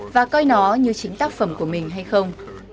và coi nó như chính tác phẩm của mình hay không